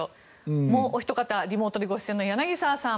もうおひと方リモートでご出演の柳澤さん。